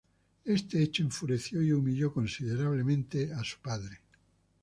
Este hecho enfureció y humilló considerablemente a su padre.